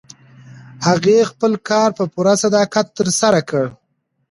هغې خپل کار په پوره صداقت ترسره کړ.